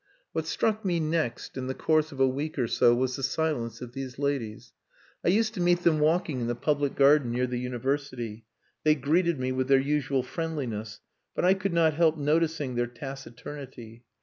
What struck me next in the course of a week or so was the silence of these ladies. I used to meet them walking in the public garden near the University. They greeted me with their usual friendliness, but I could not help noticing their taciturnity.